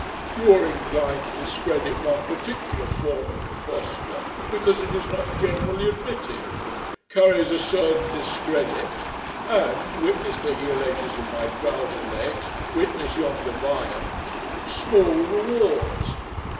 You are inclined to discredit one particular form of Imposture, because it is not generally admitted carries a certain discredit, and witness the heel edges of my trouser legs, witness yonder viands small rewards."